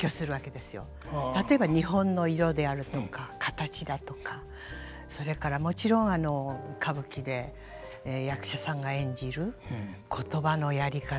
例えば日本の色であるとか形だとかそれからもちろん歌舞伎で役者さんが演じる言葉のやり方または三味線の音